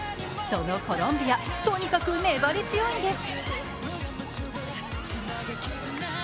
そのコロンビア、とにかく粘り強いんです。